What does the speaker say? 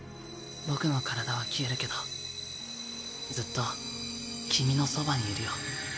僕の体は消えるけどずっと君のそばにいるよ